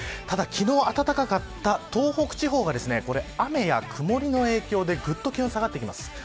ただ、昨日暖かかった東北地方が雨や曇りの影響でぐっと気温が下がってきます。